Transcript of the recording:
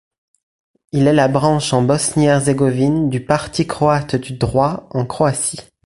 Il est la branche en Bosnie-Herzégovine du Parti croate du Droit en Croatie.